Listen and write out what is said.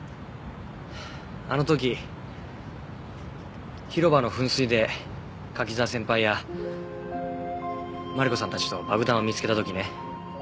あの時広場の噴水で柿沢先輩やマリコさんたちと爆弾を見つけた時ね